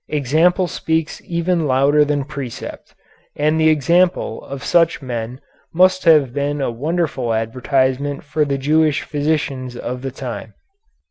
Example speaks even louder than precept, and the example of such men must have been a wonderful advertisement for the Jewish physicians of the time.